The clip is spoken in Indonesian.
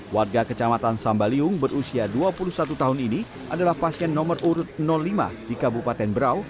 warga kecamatan sambaliung berusia dua puluh satu tahun ini adalah pasien nomor urut lima di kabupaten berau